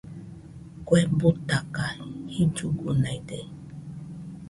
Kue butaka, jillugunaide.